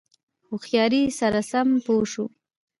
هوښیاری سره سم پوه شو.